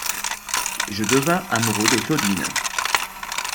Je devins amoureux de Claudine.